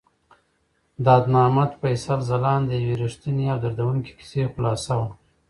دا د محمد فیصل ځلاند د یوې رښتونې او دردونکې کیسې خلاصه وه.